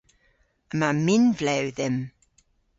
Yma minvlew dhymm.